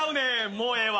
もうええわ。